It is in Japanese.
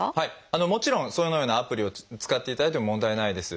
もちろんそのようなアプリを使っていただいても問題ないです。